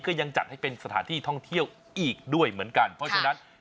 ยังจัดให้เป็นสถานที่ท่องเที่ยวอีกด้วยเหมือนกันเพราะฉะนั้น